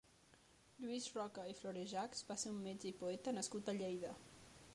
Lluís Roca i Florejachs va ser un metge i poeta nascut a Lleida.